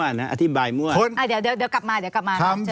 เดี๋ยวกลับมาเดี๋ยวกลับมา